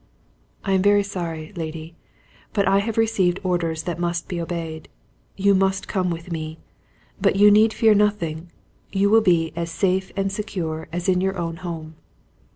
"I am very sorry, lady, but I have received orders that must be obeyed! You must come with me, but you need fear nothing; you will be as safe and secure as in your own home."